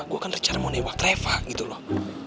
gue kan rencana mau newak refah gitu loh